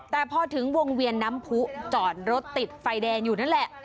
แต่พอถึงวงเวียนน้ำผู้จอดรถติดไฟแดงอยู่นั่นแหละ